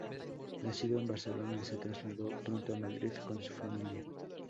Nacido en Barcelona, se trasladó pronto a Madrid con su familia.